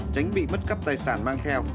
tránh bị mất cắp tài sản mang theo